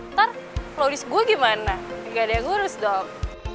ntar logis gue gimana gak ada yang ngurus dong